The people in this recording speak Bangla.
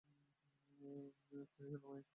পেনি, সোনামণি।